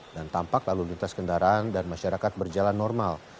dan tampak lalu lintas kendaraan dan masyarakat berjalan normal